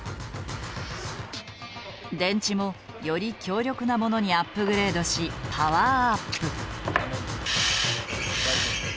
電池もより強力なものにアップグレードしパワーアップ。